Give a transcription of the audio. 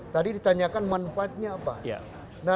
tadi ditanyakan manfaatnya apa